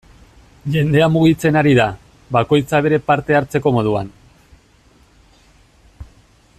Jendea mugitzen ari da, bakoitza bere parte hartzeko moduan.